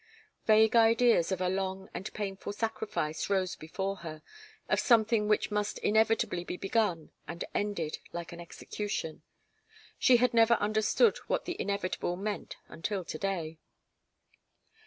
Vague ideas of a long and painful sacrifice rose before her of something which must inevitably be begun and ended, like an execution. She had never understood what the inevitable meant until to day.